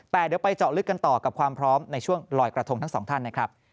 แต่เดี๋ยวไปเจาะลึกกันต่อกับความพร้อมในช่วงลอยกระทงทั้งสองท่านนะครับ